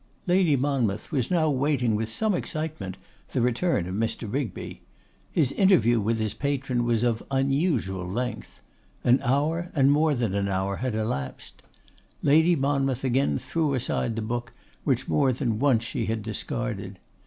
Lady Monmouth was now waiting with some excitement the return of Mr. Rigby. His interview with his patron was of unusual length. An hour, and more than an hour, had elapsed. Lady Monmouth again threw aside the book which more than once she had discarded.